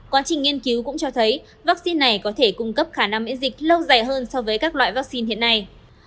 quá trình nghiên cứu cũng cho thấy vaccine này có thể cung cấp khả năng miễn dịch lâu dài hơn so với các loại vaccine hiện nay